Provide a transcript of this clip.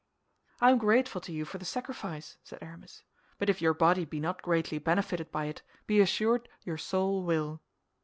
"I am grateful to you for the sacrifice," said Aramis; "but if your body be not greatly benefited by it, be assured your soul will."